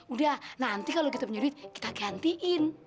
udah nanti kalau kita menyurit kita gantiin